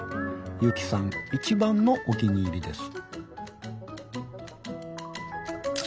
ゆきさん一番のお気に入りです。